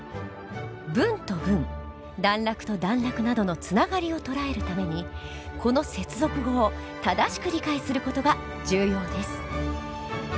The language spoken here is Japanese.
文と文段落と段落などのつながりを捉えるためにこの接続語を正しく理解する事が重要です。